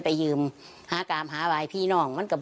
เบื้ดหน้าเป็นทุง